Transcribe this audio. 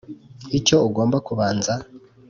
icyo ugomba kubanza